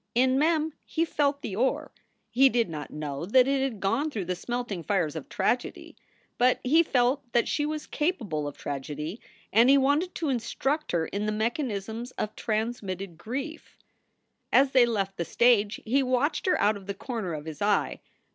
In Mem he felt the ore. He did not know that it had gone through the smelting fires of tragedy, but he felt that she was capable of tragedy, and he wanted to instruct her in the mechanisms of transmitted grief. 236 SOULS FOR SALE As they left the stage he watched her out of the corner of his eye.